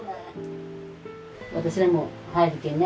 私らも入るけんね